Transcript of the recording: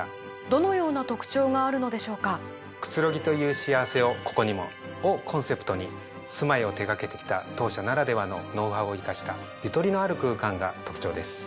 どのような特徴があるのでしょうか？をコンセプトに住まいを手掛けて来た当社ならではのノウハウを生かしたゆとりのある空間が特徴です。